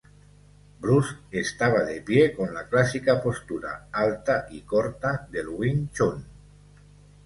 Bruce estaba de pie con la clásica postura alta y corta del Wing Chun.